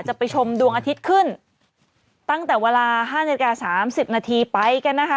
จะไปชมดวงอาทิตย์ขึ้นตั้งแต่เวลาห้านาฬิกาสามสิบนาทีไปกันนะคะ